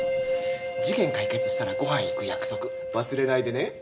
事件解決したらご飯行く約束忘れないでね。